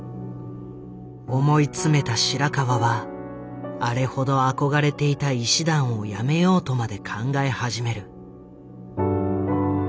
思い詰めた白川はあれほど憧れていた医師団を辞めようとまで考え始める。